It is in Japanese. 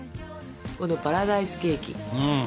このパラダイスケーキ。